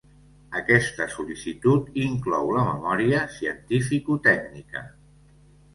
Aquesta sol·licitud inclou la memòria cientificotècnica.